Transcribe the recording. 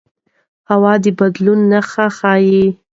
هوا د بدلون نښې ښيي